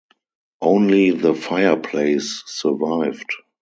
Only the fireplace survived.